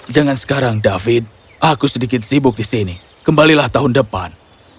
jangan sekarang david aku sedikit sibuk di sini kembalilah tahun depan